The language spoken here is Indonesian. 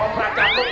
obrak caput kaput